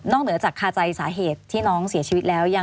เหนือจากคาใจสาเหตุที่น้องเสียชีวิตแล้ว